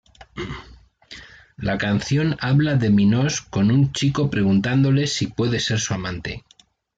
La canción habla de Minogue con un chico preguntándole si puede ser su amante.